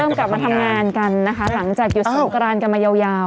กลับมาทำงานกันนะคะหลังจากหยุดสงกรานกันมายาว